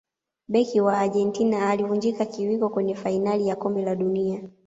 beki wa argentina alivunjika kiwiko kwenye fainali ya kombe la dunia